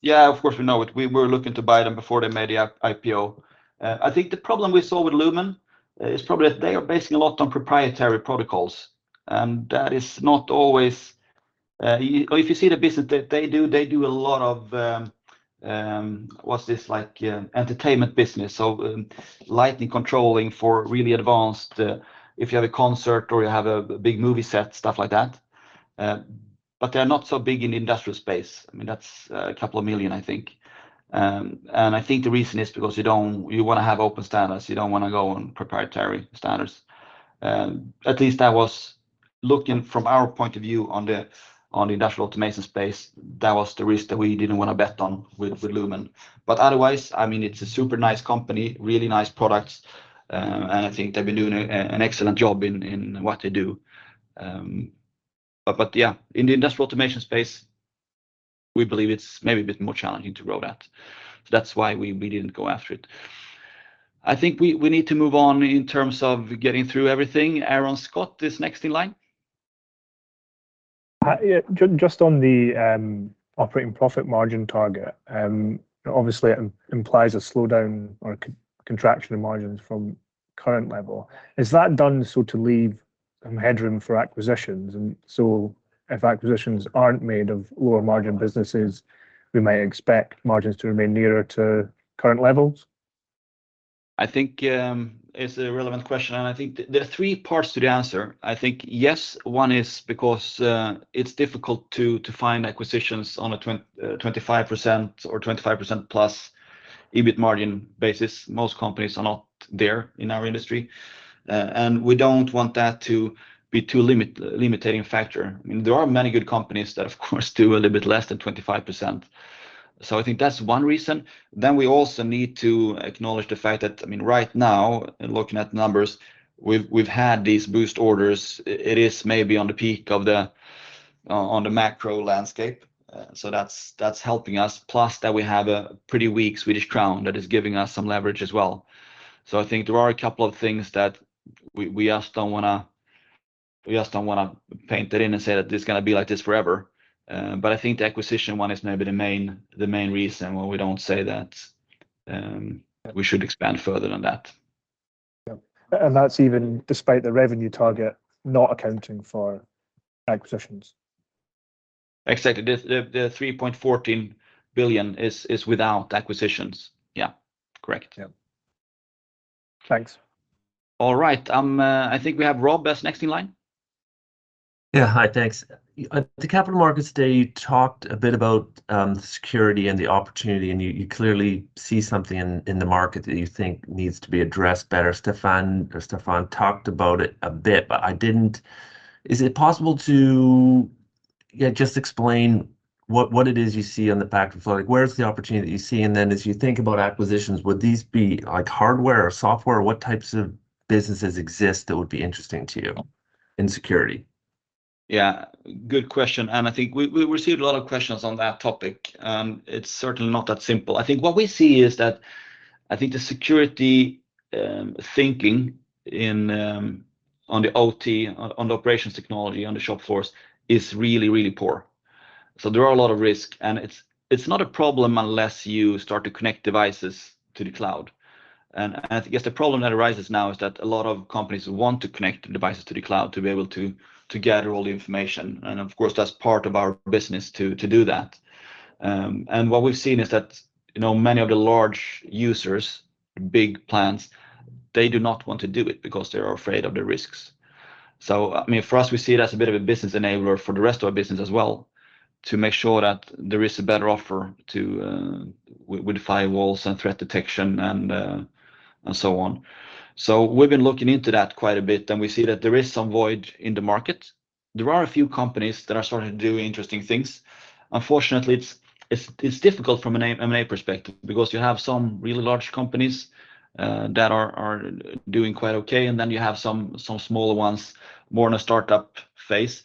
yeah, of course, we know it. We were looking to buy them before they made the IPO. I think the problem we saw with Lumen is probably that they are basing a lot on proprietary protocols, and that is not always or if you see the business that they do, they do a lot of entertainment business, so, lighting, controlling for really advanced, if you have a concert or you have a big movie set, stuff like that. But they're not so big in the industrial space. I mean, that's 2 million, I think. And I think the reason is because you don't. You wanna have open standards. You don't wanna go on proprietary standards. At least that was looking from our point of view on the, on the industrial automation space, that was the risk that we didn't wanna bet on with, with Lumen. But otherwise, I mean, it's a super nice company, really nice products, and I think they've been doing a, an excellent job in, in what they do. But, but yeah, in the industrial automation space, we believe it's maybe a bit more challenging to grow that. So that's why we, we didn't go after it. I think we, we need to move on in terms of getting through everything. Aaron Scott is next in line. Yeah, just on the operating profit margin target, obviously, it implies a slowdown or contraction in margins from current level. Is that done so to leave some headroom for acquisitions? And so if acquisitions aren't made of lower-margin businesses, we may expect margins to remain nearer to current levels? I think it's a relevant question, and I think there are three parts to the answer. I think yes, one is because it's difficult to find acquisitions on a 25% or 25%+ EBIT margin basis. Most companies are not there in our industry, and we don't want that to be too limiting factor. I mean, there are many good companies that, of course, do a little bit less than 25%. So I think that's one reason. Then we also need to acknowledge the fact that, I mean, right now, looking at numbers, we've had these boost orders. It is maybe on the peak of the macro landscape, so that's helping us. Plus, that we have a pretty weak Swedish krona that is giving us some leverage as well. So I think there are a couple of things that we, we just don't wanna, we just don't wanna paint it in and say that it's gonna be like this forever. But I think the acquisition one is maybe the main, the main reason why we don't say that, we should expand further than that. Yeah. That's even despite the revenue target not accounting for acquisitions? Exactly. The 3.14 billion is without acquisitions. Yeah. Correct. Yeah. Thanks. All right, I think we have Rob as next in line. Yeah. Hi, thanks. At the Capital Markets Day, you talked a bit about security and the opportunity, and you clearly see something in the market that you think needs to be addressed better. Staffan talked about it a bit, but I didn't, Is it possible to, yeah, just explain what it is you see on the back of flow? Like, where is the opportunity that you see? And then as you think about acquisitions, would these be like hardware or software? What types of businesses exist that would be interesting to you in security? Yeah, good question, and I think we received a lot of questions on that topic. It's certainly not that simple. I think what we see is that I think the security thinking on the OT, on operations technology, on the shop floor, is really, really poor. So there are a lot of risk, and it's not a problem unless you start to connect devices to the cloud, and I guess the problem that arises now is that a lot of companies want to connect the devices to the cloud to be able to gather all the information, and of course, that's part of our business to do that. And what we've seen is that, you know, many of the large users, big plants, they do not want to do it because they're afraid of the risks. So, I mean, for us, we see it as a bit of a business enabler for the rest of our business as well, to make sure that there is a better offer to, with, with firewalls and threat detection and, and so on. So we've been looking into that quite a bit, and we see that there is some void in the market. There are a few companies that are starting to do interesting things. Unfortunately, it's difficult from an M&A perspective because you have some really large companies that are doing quite okay, and then you have some smaller ones, more in a startup phase.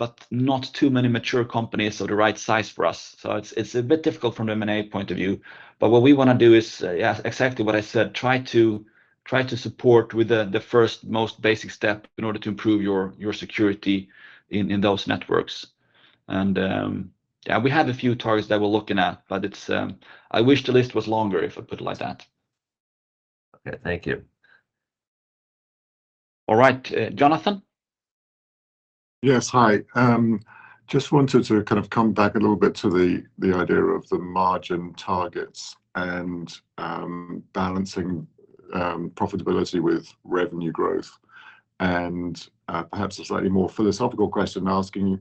But not too many mature companies of the right size for us. It's a bit difficult from an M&A point of view, but what we wanna do is, yeah, exactly what I said, try to support with the first most basic step in order to improve your security in those networks. And, yeah, we have a few targets that we're looking at, but it's, I wish the list was longer, if I put it like that. Okay, thank you. All right, Jonathan? Yes. Hi. Just wanted to kind of come back a little bit to the, the idea of the margin targets and, balancing, profitability with revenue growth, and, perhaps a slightly more philosophical question asking you,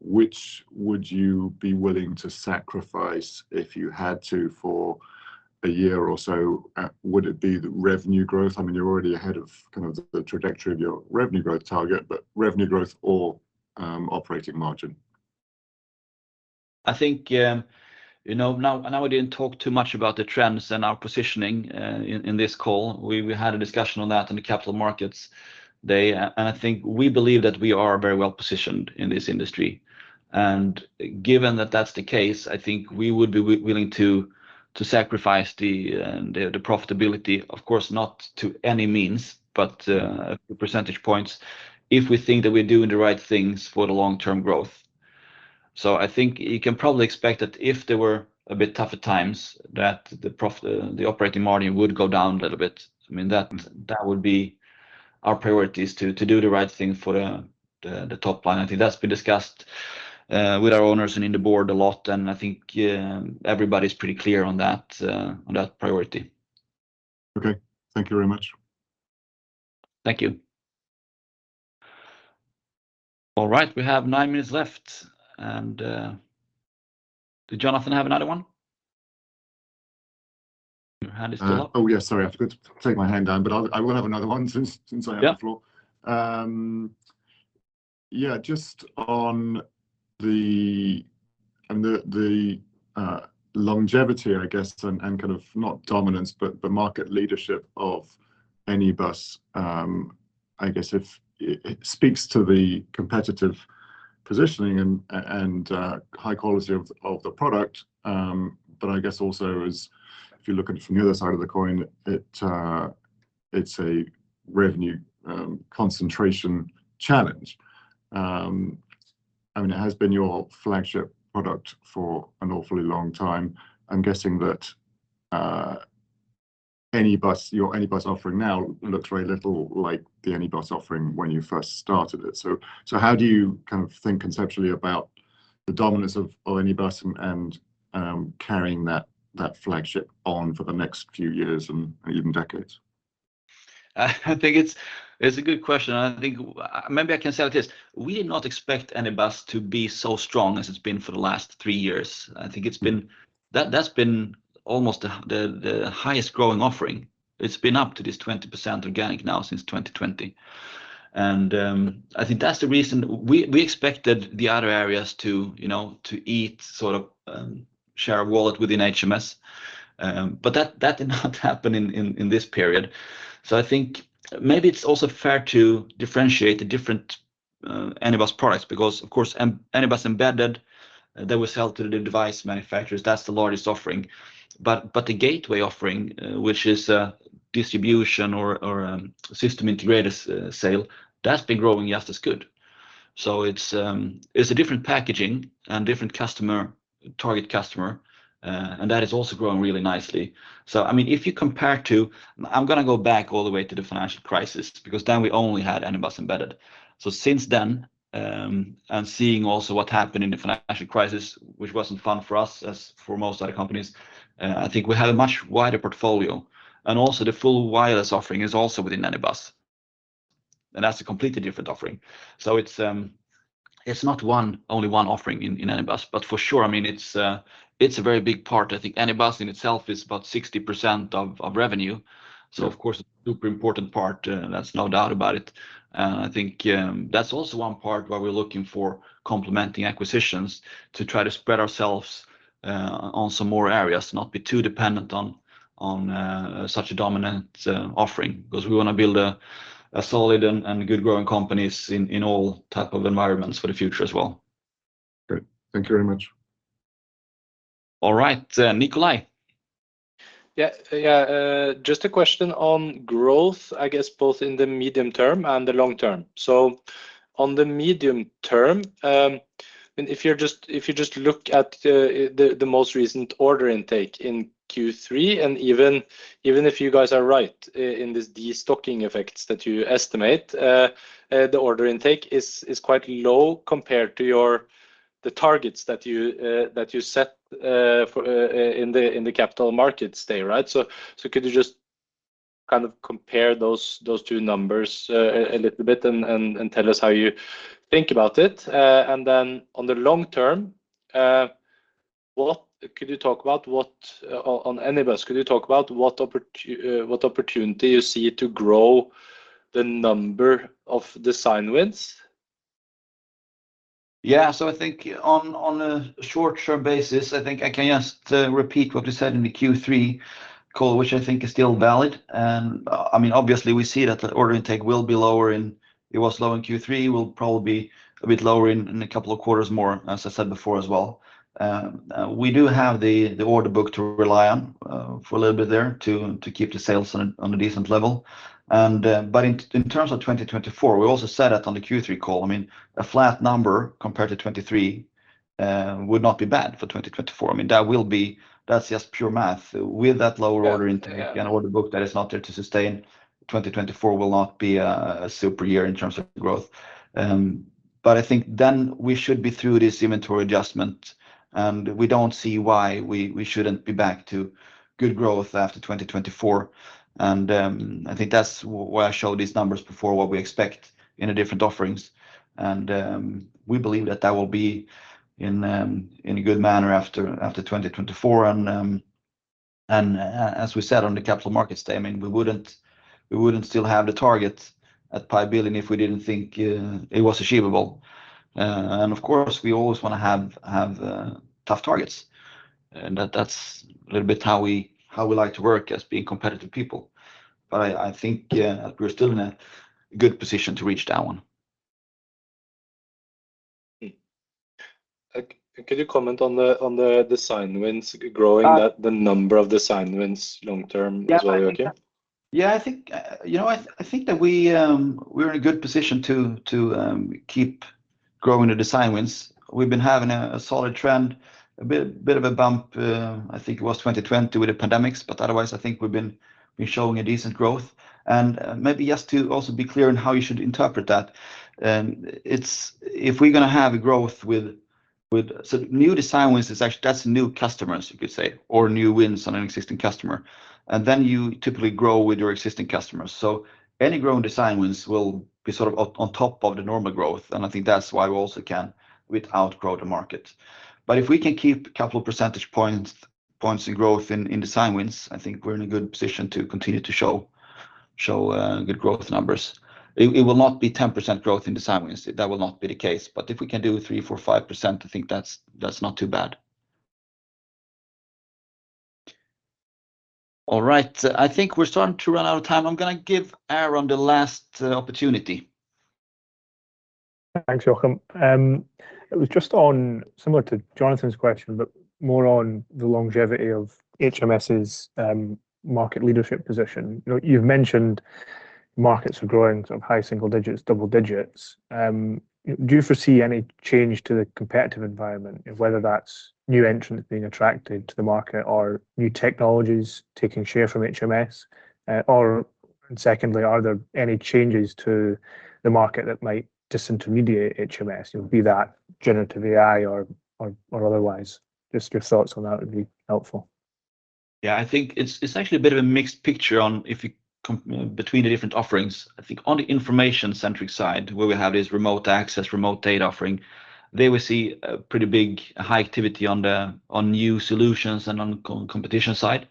which would you be willing to sacrifice if you had to for a year or so? Would it be the revenue growth? I mean, you're already ahead of kind of the trajectory of your revenue growth target, but revenue growth or, operating margin. I think, you know, now, I know we didn't talk too much about the trends and our positioning in this call. We had a discussion on that in the Capital Markets Day, and I think we believe that we are very well positioned in this industry. And given that that's the case, I think we would be willing to sacrifice the profitability, of course, not to any means, but percentage points if we think that we're doing the right things for the long-term growth. So I think you can probably expect that if there were a bit tougher times, that the operating margin would go down a little bit. I mean, that would be our priority is to do the right thing for the top line. I think that's been discussed with our owners and in the board a lot, and I think everybody's pretty clear on that priority. Okay. Thank you very much. Thank you. All right, we have nine minutes left, and, did Jonathan have another one? Your hand is still up. Oh, yeah, sorry, I forgot to take my hand down, but I will have another one since I have the floor. Yeah. Yeah, just on the longevity, I guess, and kind of, not dominance, but the market leadership of Anybus. I guess if it speaks to the competitive positioning and high quality of the product. But I guess also as if you look at it from the other side of the coin, it's a revenue concentration challenge. I mean, it has been your flagship product for an awfully long time. I'm guessing that Anybus, your Anybus offering now looks very little like the Anybus offering when you first started it. So how do you kind of think conceptually about the dominance of Anybus and carrying that flagship on for the next few years and even decades? I think it's a good question, and I think maybe I can say it like this: We did not expect Anybus to be so strong as it's been for the last three years. I think it's been. That's been almost the highest growing offering. It's been up to this 20% organic now since 2020. And I think that's the reason we expected the other areas to, you know, to each sort of share of wallet within HMS, but that did not happen in this period. So I think maybe it's also fair to differentiate the different Anybus products, because of course, Anybus Embedded, that was sold to the device manufacturers, that's the largest offering. But the gateway offering, which is a distribution or system integrators sale, that's been growing just as good. So it's a different packaging and different customer, target customer, and that is also growing really nicely. So I mean, if you compare to, I'm gonna go back all the way to the financial crisis, because then we only had Anybus Embedded. So since then, and seeing also what happened in the financial crisis, which wasn't fun for us, as for most other companies, I think we have a much wider portfolio. And also the full wireless offering is also within Anybus, and that's a completely different offering. So it's not one, only one offering in Anybus, but for sure, I mean, it's a very big part. I think Anybus in itself is about 60% of revenue, so of course, a super important part, there's no doubt about it. And I think, that's also one part where we're looking for complementing acquisitions to try to spread ourselves, on some more areas, not be too dependent on such a dominant offering. Because we wanna build a solid and good growing companies in all type of environments for the future as well. Great. Thank you very much. All right, Nikolai? Yeah, yeah, just a question on growth, I guess both in the medium term and the long term. So on the medium term, and if you just look at the most recent order intake in Q3, and even if you guys are right in this de-stocking effects that you estimate, the order intake is quite low compared to your targets that you set in the Capital Markets Day, right? So could you just kind of compare those two numbers a little bit and tell us how you think about it? And then on the long term, what could you talk about what, on Anybus, could you talk about what opportunity you see to grow the number of design wins? Yeah, so I think on a short-term basis, I think I can just repeat what we said in the Q3 call, which I think is still valid. I mean, obviously, we see that the order intake will be lower, and it was low in Q3, will probably be a bit lower in a couple of quarters more, as I said before as well. We do have the order book to rely on for a little bit there to keep the sales on a decent level. But in terms of 2024, we also said that on the Q3 call. I mean, a flat number compared to 2023 would not be bad for 2024. I mean, that will be. That's just pure math. With that lower order intake- Yeah, yeah. And order book that is not there to sustain, 2024 will not be a super year in terms of growth. But I think then we should be through this inventory adjustment, and we don't see why we shouldn't be back to good growth after 2024. And I think that's why I showed these numbers before, what we expect in the different offerings. And we believe that that will be in a good manner after 2024. And as we said on the capital market statement, we wouldn't still have the target at 5 billion if we didn't think it was achievable. And of course, we always wanna have tough targets. And that, that's a little bit how we like to work as being competitive people. But I think, yeah, we're still in a good position to reach that one. Could you comment on the design wins growing the number of design wins long term as well, okay? Yeah, I think, you know, I think that we're in a good position to keep growing the design wins. We've been having a solid trend, a bit of a bump, I think it was 2020 with the pandemics, but otherwise I think we've been, we're showing a decent growth. And, maybe just to also be clear on how you should interpret that, it's if we're gonna have a growth with. So new design wins is actually, that's new customers, you could say, or new wins on an existing customer, and then you typically grow with your existing customers. So any growth design wins will be sort of on top of the normal growth, and I think that's why we also can outgrow the market. But if we can keep a couple of percentage points in growth in design wins, I think we're in a good position to continue to show good growth numbers. It will not be 10% growth in design wins. That will not be the case. But if we can do 3%-5%, I think that's not too bad. All right. I think we're starting to run out of time. I'm gonna give Aaron the last opportunity. Thanks, Joakim. It was just on similar to Jonathan's question, but more on the longevity of HMS's market leadership position. You know, you've mentioned markets were growing sort of high single digits, double digits. Do you foresee any change to the competitive environment, whether that's new entrants being attracted to the market or new technologies taking share from HMS? Or and secondly, are there any changes to the market that might disintermediate HMS, be that generative AI or otherwise? Just your thoughts on that would be helpful. Yeah, I think it's actually a bit of a mixed picture on if you compare between the different offerings. I think on the information-centric side, where we have this remote access, remote data offering, there we see a pretty big high activity on new solutions and on competition side.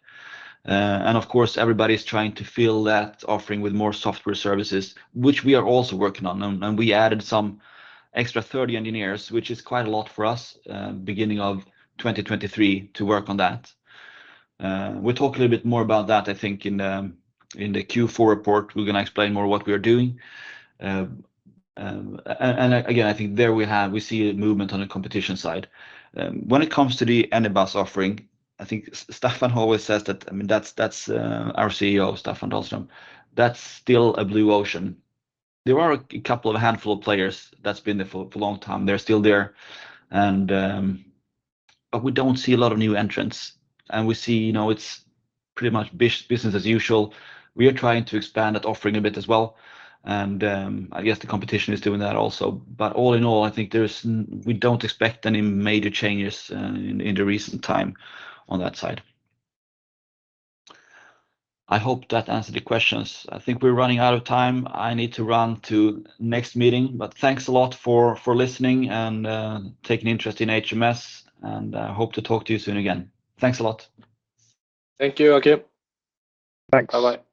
And of course, everybody's trying to fill that offering with more software services, which we are also working on. And we added some extra 30 engineers, which is quite a lot for us, beginning of 2023, to work on that. We'll talk a little bit more about that, I think, in the Q4 report. We're gonna explain more what we are doing. And again, I think there we see a movement on the competition side. When it comes to the Anybus offering, I think Staffan always says that, I mean, that's our CEO, Staffan Dahlström, "That's still a blue ocean." There are a couple of handful of players that's been there for a long time. They're still there, and but we don't see a lot of new entrants, and we see, you know, it's pretty much business as usual. We are trying to expand that offering a bit as well, and I guess the competition is doing that also. But all in all, I think there's, we don't expect any major changes in the recent time on that side. I hope that answered the questions. I think we're running out of time. I need to run to next meeting, but thanks a lot for listening and taking interest in HMS, and hope to talk to you soon again. Thanks a lot. Thank you, okay. Thanks. Bye-bye.